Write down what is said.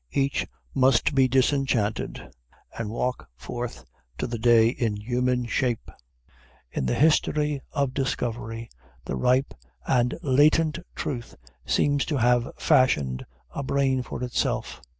Each must be disenchanted, and walk forth to the day in human shape. In the history of discovery, the ripe and latent truth seems to have fashioned a brain for itself.